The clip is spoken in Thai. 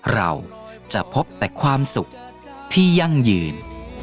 เราจะพบแต่ความสุขที่ยั่งยืน